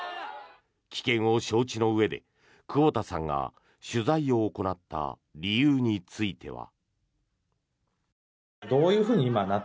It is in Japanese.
危険を承知のうえで久保田さんが取材を行った理由については。